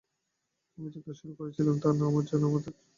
আমি যে কাজ শুরু করেছিলাম তা না আমার জন্য আর না আমাদের জন্য।